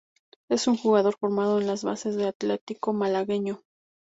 Es un jugador formado en las bases del Atletico Malagueño.